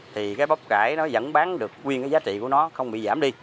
thì cái bắp cải nó vẫn bán được nguyên cái giá trị của nó không bị giảm đi